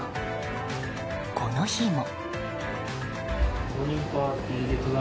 この日も。